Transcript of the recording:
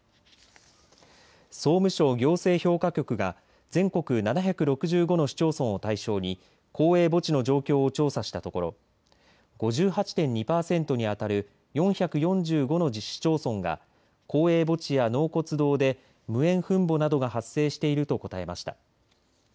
総務省行政評価局が全国の７６５の市町村を対象に公営墓地の状況を調査したところ５８．２パーセントに当たる４４５の市町村が公営墓地や納骨堂で無縁墳墓などが発生していると答えました。